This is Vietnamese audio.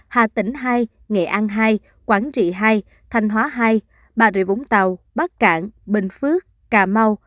hà tĩnh hai nghệ an hai quảng trị hai thanh hóa hai bà rịa vũng tàu bắc cạn bình phước cà mau